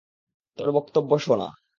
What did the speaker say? তোর বক্তব্য শুনা।